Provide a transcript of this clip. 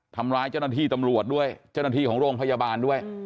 ทำร้ายเจ้าหน้าที่ตำรวจด้วยเจ้าหน้าที่ของโรงพยาบาลด้วย